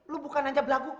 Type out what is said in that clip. lo bukan hanya berlagu